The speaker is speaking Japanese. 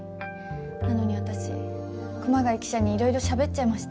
なのに私熊谷記者にいろいろしゃべっちゃいました。